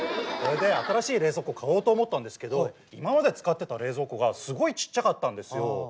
それで新しい冷蔵庫を買おうと思ったんですけど今まで使ってた冷蔵庫がすごいちっちゃかったんですよ。